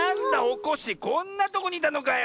こんなとこにいたのかよ